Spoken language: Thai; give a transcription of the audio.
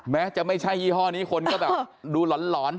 แม้จะไม่ใช่ยี่ห้อนี้คนก็แบบดูหลอน